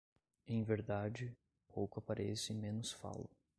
Em verdade, pouco apareço e menos falo.